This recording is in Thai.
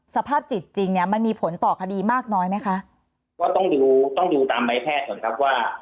สภาพจิตจริงเนี้ยมันมีผลต่อคดีมากน้อยไหมคะก็ต้องดูต้องดูตามใบแพทย์ก่อนครับว่า